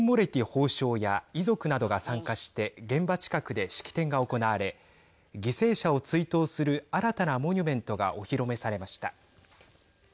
法相や遺族などが参加して現場近くで式典が行われ犠牲者を追悼する新たなモニュメントがお披露目されました。